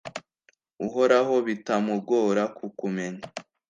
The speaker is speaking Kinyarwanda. Uhoraho bitamugora kukumenya